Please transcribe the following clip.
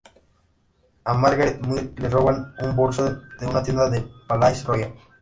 A Margaret Muir le roban un bolso de una tienda del Palais-Royal.